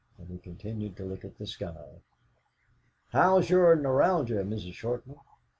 And he continued to look at the sky. "How's your neuralgia, Mrs. Shortman?"